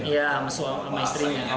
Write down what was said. ya sama istrinya